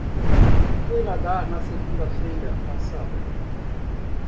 Fui nadar na segunda-feira passada.